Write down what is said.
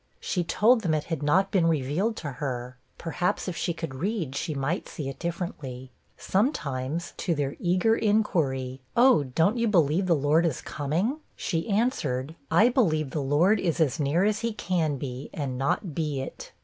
She told them it had not been revealed to her; perhaps, if she could read, she might see it differently. Sometimes, to their eager inquiry, 'Oh, don't you believe the Lord is coming?' she answered, 'I believe the Lord is as near as he can be, and not be it.'